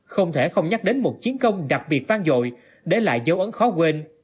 không thể không nhắc đến một chiến công đặc biệt vang dội để lại dấu ấn khó quên